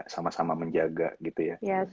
sama sama menjaga gitu ya